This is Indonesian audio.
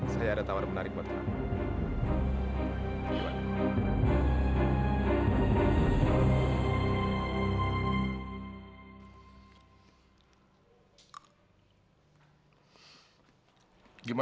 saya ada tawar menarik buat pak